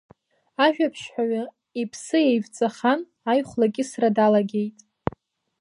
Ажәабжьҳәаҩы иԥсы еивҵахан аихәлакьысра далагеит.